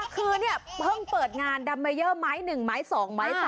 คือเนี่ยเพิ่งเปิดงานดัมเมเยอร์ไม้๑ไม้๒ไม้๓